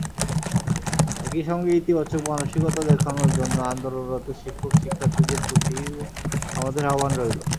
একই সঙ্গে ইতিবাচক মানসিকতা দেখানোর জন্য আন্দোলনরত শিক্ষক–শিক্ষার্থীদের প্রতিও আমাদের আহ্বান রইল।